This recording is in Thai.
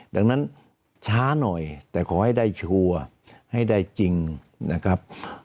ดังนั้นช้าหน่อยแต่ขอให้ได้ชัวร์ให้ได้จริงนะครับ